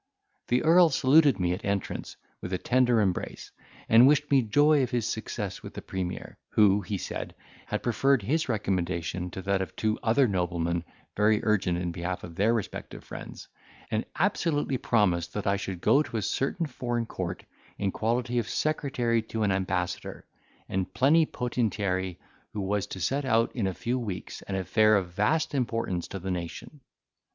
The earl saluted me at entrance with a tender embrace, and wished me joy of his success with the Premier, who, he said, had preferred his recommendation to that of two other noblemen very urgent in behalf of their respective friends, and absolutely promised that I should go to a certain foreign court in quality of secretary to an ambassador and plenipotentiary who was to set out in a few weeks an affair of vast importance to the nation.